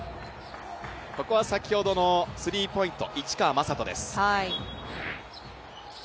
ここは先ほどのスリーポイント、市川真人です。